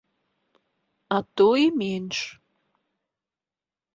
А то і менш.